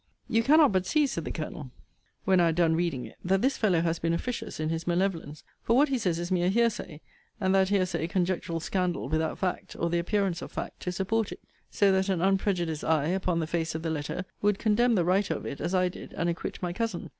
You cannot but see, said the Colonel, when I had done reading it, that this fellow has been officious in his malevolence; for what he says is mere hearsay, and that hearsay conjectural scandal without fact, or the appearance of fact, to support it; so that an unprejudiced eye, upon the face of the letter, would condemn the writer of it, as I did, and acquit my cousin.